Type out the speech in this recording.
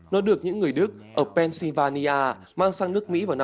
nó được những người đức ở pennsylvania mang sang nước mỹ vào năm một nghìn tám trăm hai mươi